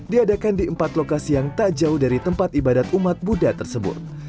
di adakan di empat lokasi yang tak jauh dari tempat ibadat umat budaya tersebut